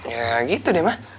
ya gitu deh ma